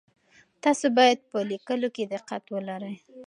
تاسو باید په لیکلو کي دقت ولرئ.